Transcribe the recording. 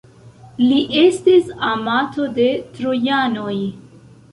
Li estis amato de trojanoj.